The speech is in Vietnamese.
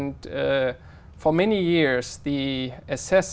đót cản n esther